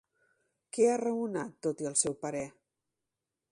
Què ha raonat, tot i el seu parer?